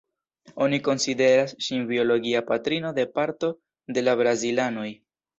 Oni konsideras ŝin biologia patrino de parto de la brazilanoj.